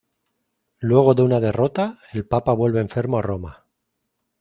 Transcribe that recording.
Luego de una derrota, el Papa vuelve enfermo a Roma.